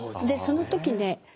でその時ね